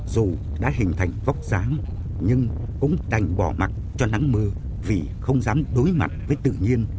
dù đã hình thành vóc dáng nhưng cũng đành bỏ mặt cho nắng mưa vì không dám đối mặt với tự nhiên